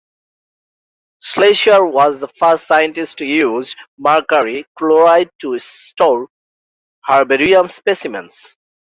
Schleicher was the first scientist to use mercury chloride to store herbarium specimens.